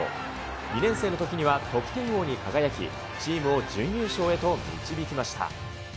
２年生のときには得点王に輝き、チームを準優勝へと導きました。